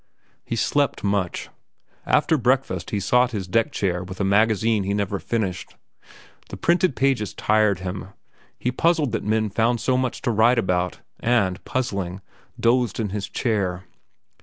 He slept much. After breakfast he sought his deck chair with a magazine he never finished. The printed pages tired him. He puzzled that men found so much to write about, and, puzzling, dozed in his chair.